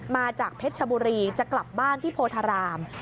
มาจากเพชรชบุรีจะกลับบ้านที่โพธาราม